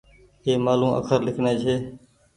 اي مآلون اکر لکڻي ڇي